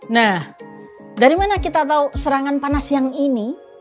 nah dari mana kita tahu serangan panas yang ini